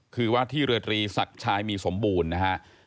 คือว่าที่เรือตรีศักดิ์ชายมีสมบูรณ์นะฮะ